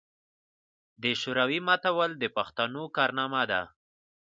د شوروي ماتول د پښتنو کارنامه ده.